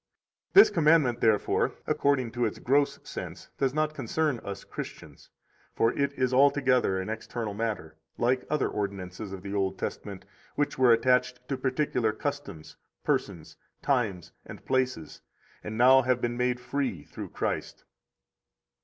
82 This commandment, therefore, according to its gross sense, does not concern us Christians; for it is altogether an external matter, like other ordinances of the Old Testament, which were attached to particular customs, persons, times, and places, and now have been made free through Christ.